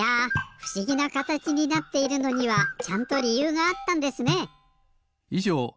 ふしぎなかたちになっているのにはちゃんとりゆうがあったんですね。